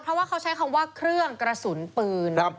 เพราะว่าเขาใช้คำว่าเครื่องกระสุนปืน